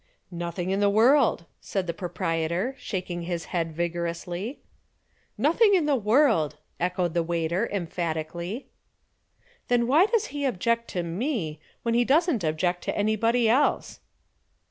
"Nothing in the world," said the proprietor, shaking his head vigorously. "Nothing in the world," echoed the waiter, emphatically. "Then why does he object to me, when he doesn't object to anybody else?"